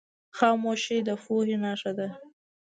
خاموشي، د پوهې نښه ده.